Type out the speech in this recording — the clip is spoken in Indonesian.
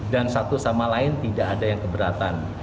dan satu sama lain tidak ada yang keberatan